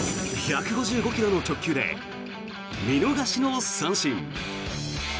１５５ｋｍの直球で見逃しの三振。